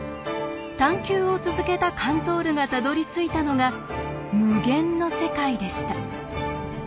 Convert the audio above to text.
探求を続けたカントールがたどりついたのが「無限」の世界でした。